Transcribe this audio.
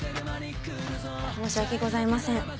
申し訳ございません。